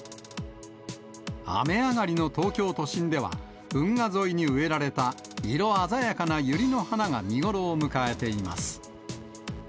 雨上がりの東京都心では、運河沿いに植えられた色鮮やかなユリの花が見頃を迎えています。